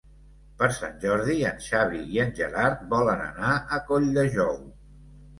Per Sant Jordi en Xavi i en Gerard volen anar a Colldejou.